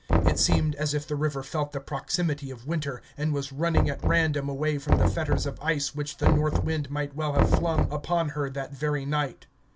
It seemed as if the river felt the proximity of winter, and was running at random away from the fetters of ice which the north wind might well have flung upon her that very night.